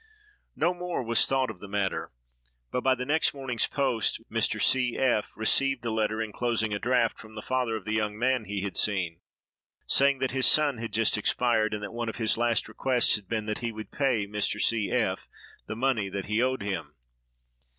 No more was thought of the matter; but, by the next morning's post, Mr. C—— F—— received a letter enclosing a draft, from the father of the young man he had seen, saying that his son had just expired, and that one of his last requests had been that he would pay Mr. C—— F—— the money that he owed him.